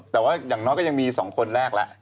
แต่ว่าอย่างน้อยก็ยังมี๒คนแรกแล้ว